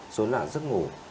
rối loạn giấc ngủ